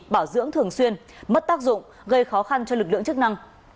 bảo dưỡng thường xuyên mất tác dụng gây khó khăn cho lực lượng chức năng